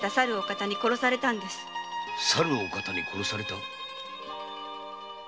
さるお方に殺された？